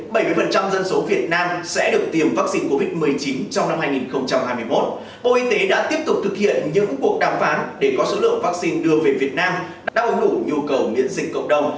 bộ y tế đã tiếp tục thực hiện những cuộc đàm phán để có số lượng vắc xin đưa về việt nam đào đủ nhu cầu miễn dịch cộng đồng